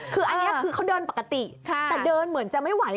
คืออันนี้คือเขาเดินปกติแต่เดินเหมือนจะไม่ไหว